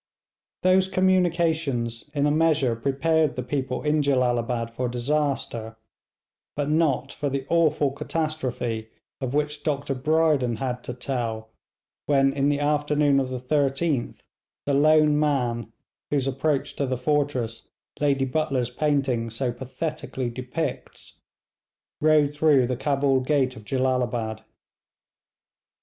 Those communications in a measure prepared the people in Jellalabad for disaster, but not for the awful catastrophe of which Dr Brydon had to tell, when in the afternoon of the 13th the lone man, whose approach to the fortress Lady Butler's painting so pathetically depicts, rode through the Cabul gate of Jellalabad.